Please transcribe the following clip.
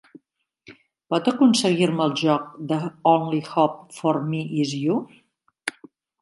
Pot aconseguir-me el joc The Only Hope for Me Is You?